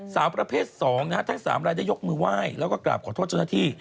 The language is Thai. สาวประเภท๒นะฮะทั้ง๓รายได้ยกมือไหว้แล้วก็กราบขอโทษเจ้าหน้าที่